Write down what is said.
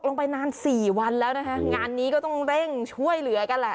ลงไปนานสี่วันแล้วนะคะงานนี้ก็ต้องเร่งช่วยเหลือกันแหละ